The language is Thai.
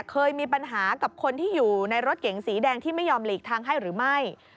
เคยมีปัญหากับคนที่อยู่ในรถเก๋งสีแดงที่ไม่ยอมหลีกทางให้หรือไม่